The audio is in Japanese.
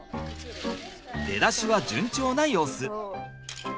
出だしは順調な様子。